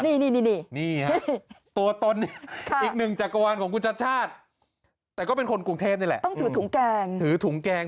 ถือถุงแกล้งถือของแค้ต้องถือถุงแกล้ง